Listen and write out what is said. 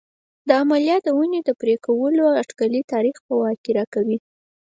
دا عملیه د ونې د پرې کولو اټکلي تاریخ په واک کې راکوي